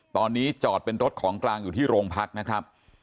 ตอนนี้จอดเป็นรถของกลางอยู่ที่โรงพักนะครับ